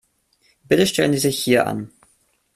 Bitte stellen Sie sich hier an.